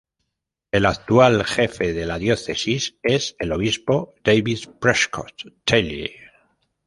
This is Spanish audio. El actual jefe de la Diócesis es el Obispo David Prescott Talley.